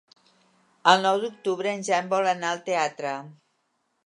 El nou d'octubre en Jan vol anar al teatre.